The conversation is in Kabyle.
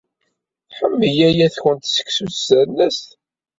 Tḥemmel yaya-tkent seksu s ternast?